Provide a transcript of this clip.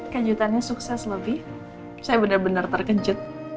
kejutannya sukses lebih saya benar benar terkejut